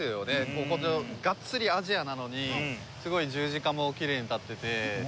ここがっつりアジアなのにすごい十字架もきれいに立ってて。